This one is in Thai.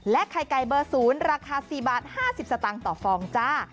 และไข่ไก่เบอร์ศูนย์ราคา๔บาท๕๐สตางค์ต่อฟองจ้ะ